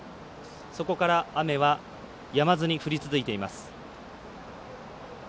そこから雨はやまずに降り続いています。